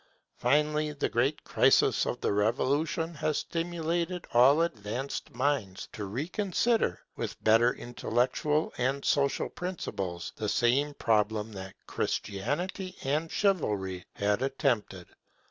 Finally the great crisis of the Revolution has stimulated all advanced minds to reconsider, with better intellectual and social principles, the same problem that Christianity and Chivalry had attempted.